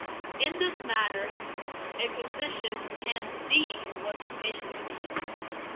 In this manner a physician can "see" what the patient sees.